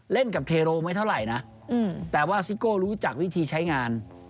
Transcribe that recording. เล่นกับเทโรไม่เท่าไหร่นะแต่ว่าซิโก้รู้จักวิธีใช้งาน